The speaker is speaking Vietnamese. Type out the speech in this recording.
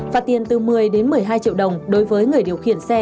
phạt tiền từ một mươi đến một mươi hai triệu đồng đối với người điều khiển xe